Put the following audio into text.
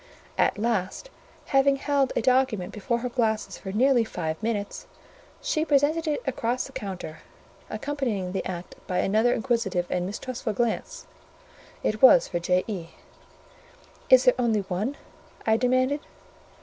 At last, having held a document before her glasses for nearly five minutes, she presented it across the counter, accompanying the act by another inquisitive and mistrustful glance—it was for J.E. "Is there only one?" I demanded.